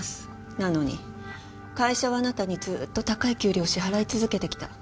なのに会社はあなたにずーっと高い給料を支払い続けてきた。